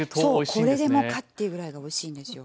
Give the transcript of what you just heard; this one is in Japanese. これでもかっていうぐらいがおいしいんですよ。